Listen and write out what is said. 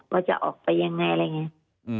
ว่าจะออกไปยังไงอะไรอย่างนี้